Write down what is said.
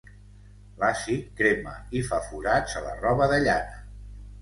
L'àcid crema i fa forats a la roba de llana.